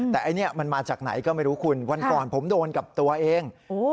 แต่ไอ้นี่มันมาจากไหนก็ไม่รู้คุณวันก่อนผมโดนกับตัวเอง